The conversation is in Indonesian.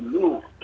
belum dinaikkan bbm